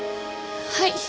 はい。